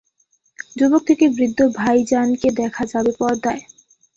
যুবক থেকে বৃদ্ধ ভাইজানকে দেখা যাবে পর্দায়।